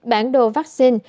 bản đồ vaccine